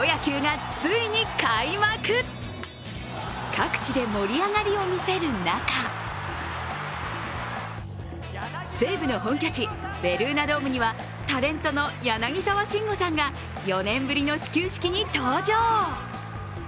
各地で盛り上がりを見せる中西武の本拠地・ベルーナドームにはタレントの柳沢慎吾さんが４年ぶりの始球式に登場。